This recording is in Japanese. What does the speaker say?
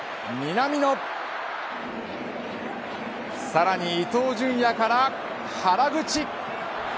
さらに伊東純也から原口。